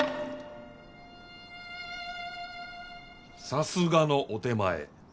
さすがのお手前。